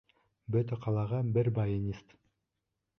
Бөтә ҡалаға бер баянист!